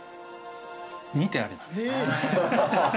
２点あります